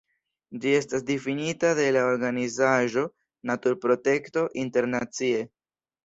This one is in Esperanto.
Ĝi estas difinita de la organizaĵo Naturprotekto Internacie.